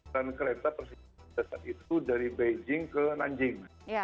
dan kereta persisitan itu dari beijing ke nanjing